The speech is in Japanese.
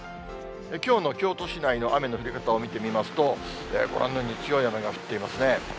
きょうの京都市内の雨の降り方を見てみますと、ご覧のように強い雨が降っていますね。